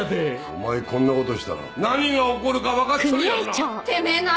お前こんなことしたら何が起こるか分かっちょるやろな？